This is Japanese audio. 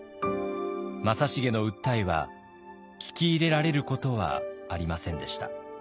正成の訴えは聞き入れられることはありませんでした。